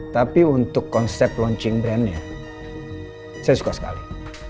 tapi untuk konsep launching brandnya saya suka sekali